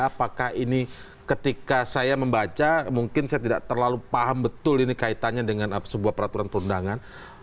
apakah ini ketika saya membaca mungkin saya tidak terlalu paham betul ini kaitannya dengan sebuah peraturan perundangan